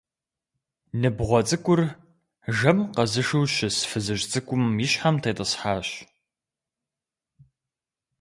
Ныбгъуэ цӀыкӀур жэм къэзышу щыс фызыжь цӀыкӀум и щхьэм тетӀысхьащ.